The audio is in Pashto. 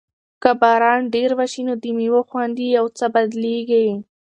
که باران ډېر وشي نو د مېوو خوند یو څه بدلیږي.